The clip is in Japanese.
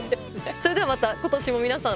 それではまた今年も皆さん